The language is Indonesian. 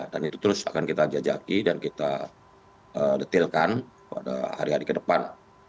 dan itu terus akan kita jajaki dan kita detailkan pada hari hari ke depan